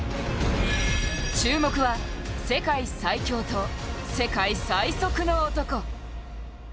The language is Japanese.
注目は世界最強と世界最速の男。